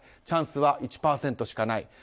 チャンスは１％しかない。